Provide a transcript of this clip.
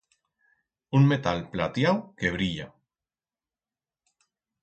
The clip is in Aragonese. Un metal platiau que brilla.